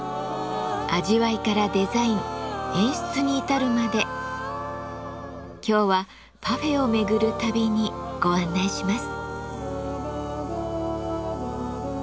味わいからデザイン演出に至るまで今日はパフェを巡る旅にご案内します。